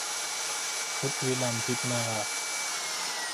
ทุตวิลัมพิตมาลา